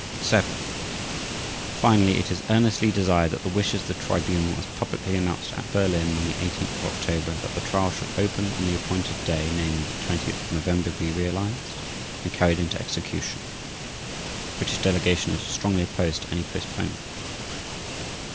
vii) Finally, it is earnestly desired that the wishes of the Tribunal as publicly announced at Berlin on the 18th October that the trial should open on the appointed day, namely, 20th November be realised and carried into execution. The British Delegation is strongly opposed to any postponement.